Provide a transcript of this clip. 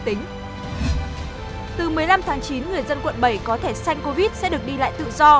xin chào và hẹn gặp lại